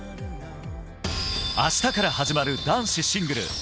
明日から始まる男子シングル。